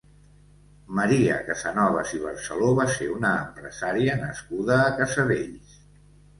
Maria Casanovas i Barceló va ser una empresària nascuda a Casavells.